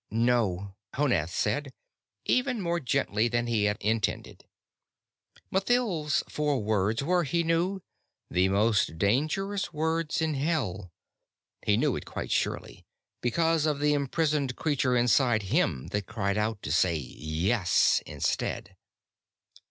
"No," Honath said, even more gently than he had intended. Mathild's four words were, he knew, the most dangerous words in Hell he knew it quite surely, because of the imprisoned creature inside him that cried out to say "Yes" instead.